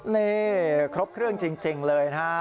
นี่ครบเครื่องจริงเลยนะฮะ